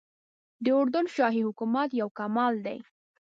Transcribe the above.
د اردن شاهي حکومت یو کمال دی.